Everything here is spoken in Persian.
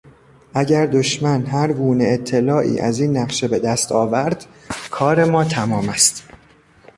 اگر دشمن هرگونه اطلاعی از این نقشه به دست آورد کار ما تمام است.